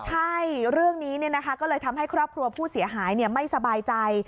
ใช่เรื่องนี้ก็เลยทำให้ครอบครัวผู้เสียหายไม่สบายใจ